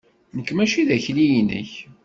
Nekk maci d akli-nnek!